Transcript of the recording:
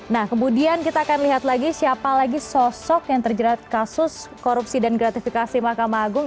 nah kemudian kita akan lihat lagi siapa lagi sosok yang terjerat kasus korupsi dan gratifikasi mahkamah agung